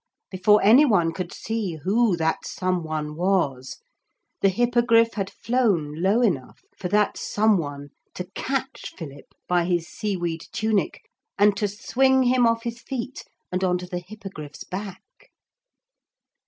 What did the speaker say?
Before any one could see who that some one was, the Hippogriff had flown low enough for that some one to catch Philip by his seaweed tunic and to swing him off his feet and on to the Hippogriff's back.